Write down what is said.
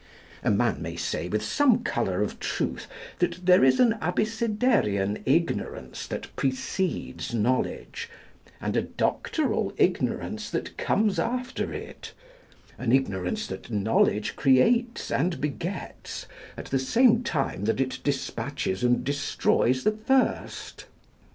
A man may say with some colour of truth that there is an Abecedarian ignorance that precedes knowledge, and a doctoral ignorance that comes after it: an ignorance that knowledge creates and begets, at the same time that it despatches and destroys the first.